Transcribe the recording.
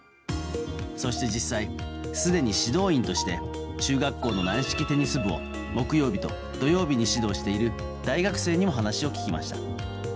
そして実際、すでに指導員として中学校の軟式テニス部を木曜日と土曜日に指導している大学生に話を聞きました。